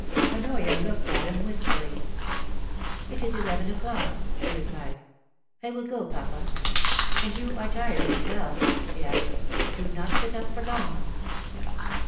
Honoria looked at him wistfully. *It is eleven o'clock,' she replied. 'I will go, papa. And you are tired as well,' she added. * Do not sit up for long.'